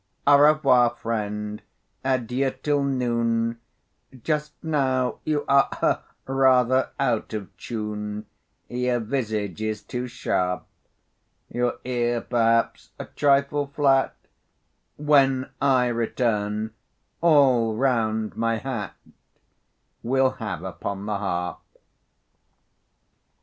"Au revoir, friend, adieu till noon; Just now you are rather out of tune, Your visage is too sharp; Your ear perhaps a trifle flat: When I return, 'All round my hat' We'll have upon the harp."